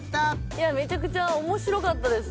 いやめちゃくちゃ面白かったです